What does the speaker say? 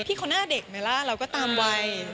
พี่คนน่าเด็กไหมล่ะเราก็ตามไว